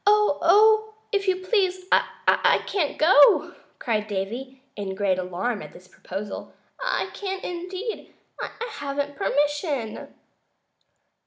"Oh, if you please, I can't go!" cried Davy, in great alarm at this proposal; "I can't, indeed. I haven't permission."